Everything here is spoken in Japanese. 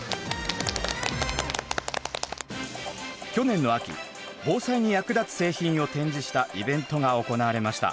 去年の秋防災に役立つ製品を展示したイベントが行われました。